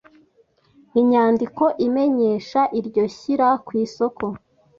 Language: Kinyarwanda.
Inyandiko imenyesha iryo shyira kw isoko